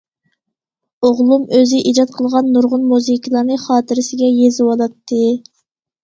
ئوغلۇم ئۆزى ئىجاد قىلغان نۇرغۇن مۇزىكىلارنى خاتىرىسىگە يېزىۋالاتتى.